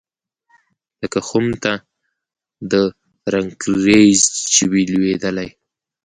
لکه خُم ته د رنګرېز چي وي لوېدلی